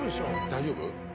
大丈夫？